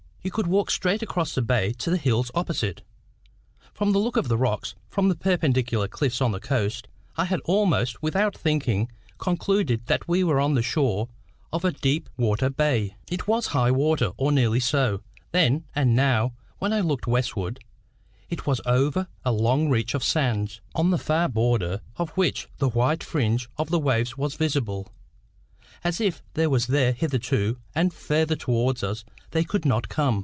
You could walk straight across the bay to the hills opposite. From the look of the rocks, from the perpendicular cliffs on the coast, I had almost, without thinking, concluded that we were on the shore of a deep water bay. It was high water, or nearly so, then; and now, when I looked westward, it was over a long reach of sands, on the far border of which the white fringe of the waves was visible, as if there was their hitherto, and further towards us they could not come.